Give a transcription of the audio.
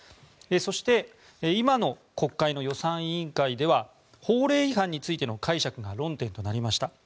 そして今の国会の予算委員会では法令違反についての解釈が論点となりました。